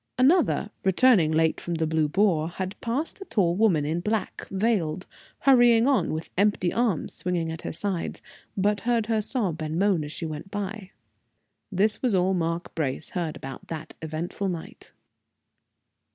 Another, returning late from the Blue Boar, had passed a tall woman, in black, veiled, hurrying on, with empty arms swinging at her side, but heard her sob and moan as she went by. This was all Mark Brace heard about that eventful night.